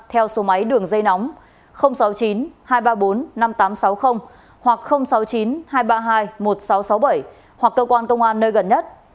theo số máy đường dây nóng sáu mươi chín hai trăm ba mươi bốn năm nghìn tám trăm sáu mươi hoặc sáu mươi chín hai trăm ba mươi hai một nghìn sáu trăm sáu mươi bảy hoặc cơ quan công an nơi gần nhất